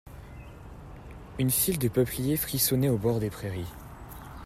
Une file de peupliers frissonnait au bord des prairies.